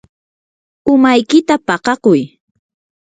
umaykita paqakuy.